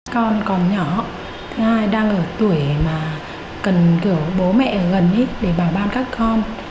con còn nhỏ thứ hai đang ở tuổi mà cần gửi bố mẹ gần hết để bảo ban các con